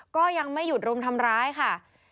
ก็ยังไม่หยุดรุมทำร้ายค่ะ